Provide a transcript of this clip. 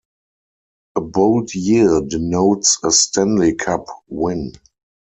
A bold year denotes a Stanley Cup win.